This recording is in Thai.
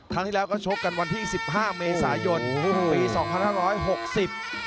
ครั้งที่แล้วก็ชบกันวันที่๑๕เมษายนปี๒๕๖๐